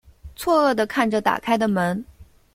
错愕的看着打开的门